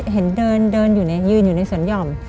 เห็นเดินอยู่เนี่ยยืนอยู่ในสวนหย่อม